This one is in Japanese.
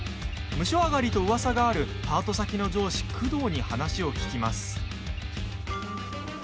ムショ上がりとうわさがあるパート先の上司久遠に話を聞きます。